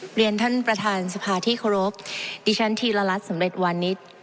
เรียนท่านประธานสภาที่เคารพดิฉันธีรรัฐสำเร็จวานิส